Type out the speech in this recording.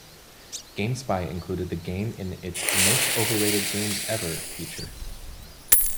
GameSpy included the game in its "Most Overrated Games Ever" feature.